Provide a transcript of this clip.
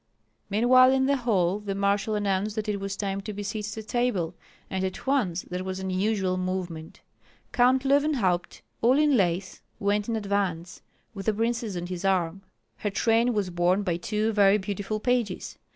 Meanwhile in the hall the marshal announced that it was time to be seated at table, and at once there was unusual movement. Count Löwenhaupt, all in lace, went in advance, with the princess on his arm; her train was borne by two very beautiful pages.